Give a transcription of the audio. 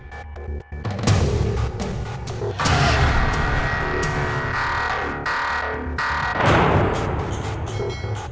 pasti masih kesukaan pergi lagi mereka